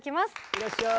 いらっしゃい。